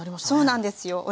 そうなんですよ。